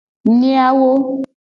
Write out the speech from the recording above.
Miawo.